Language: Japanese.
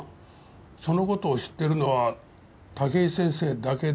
その事を知っているのは武井先生だけでした？